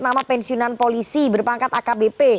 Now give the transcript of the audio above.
nama pensiunan polisi berpangkat akbp